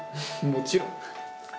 もちろん。